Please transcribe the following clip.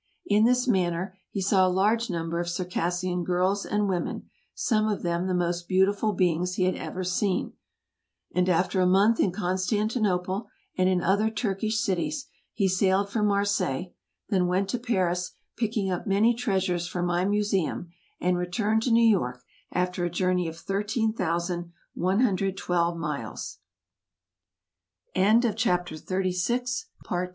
In this manner, he saw a large number of Circassian girls and women, some of them the most beautiful beings he had ever seen, and after a month in Constantinople and in other Turkish cities, he sailed for Marseilles, then went to Paris, picking up many treasures for my Museum, and returned to New York, after a journey of 13,112 miles. CHAPTER XXXVII MR. AND MRS. GENERAL TOM THUMB. M